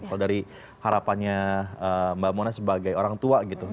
kalau dari harapannya mbak mona sebagai orang tua gitu